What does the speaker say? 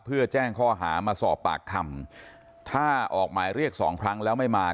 เพื่อแจ้งข้อหามาสอบปากคำถ้าออกหมายเรียกสองครั้งแล้วไม่มา